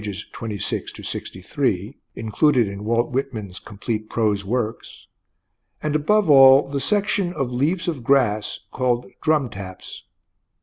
26 63, included in Walt Whitman's "Complete Prose Works"), and above all the section of "Leaves of Grass" called "Drum Taps."